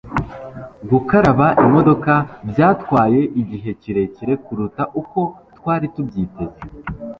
Gukaraba imodoka byatwaye igihe kirekire kuruta uko twari tubyiteze.